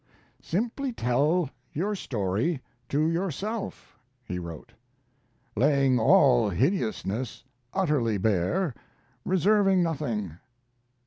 "Simply tell your story to yourself," he wrote, "laying all hideousness utterly bare, reserving nothing.